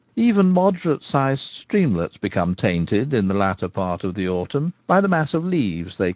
Even moderate sized streamlets become tainted in the latter part of the autumn by the mass of leaves d d5